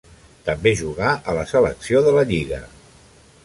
També jugà a la selecció de la lliga.